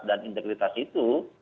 dan integritas itu